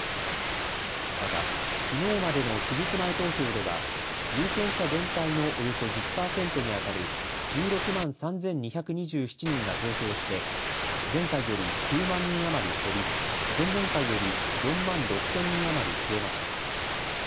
またきのうまでの期日前投票では有権者全体のおよそ１０％にあたる１６万３２２７人が投票して前回より９万人余り減り前々回より４万６０００人余り増えました。